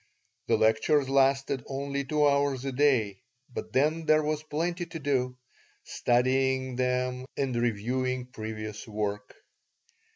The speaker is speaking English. The lectures lasted only two hours a day, but then there was plenty to do, studying them and reviewing previous work.